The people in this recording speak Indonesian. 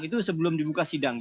itu sebelum dibuka sidang